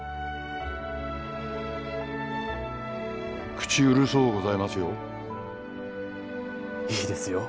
口うるそうございますよいいですよ